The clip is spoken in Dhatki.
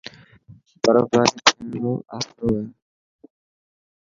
برف باري ٿيڻ رو آسرو هي.